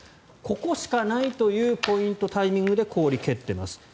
ここしかないというポイント、タイミングで氷を蹴っています。